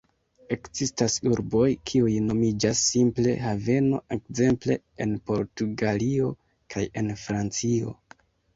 Ekzistas urboj, kiuj nomiĝas simple "haveno", ekzemple en Portugalio kaj en Francio.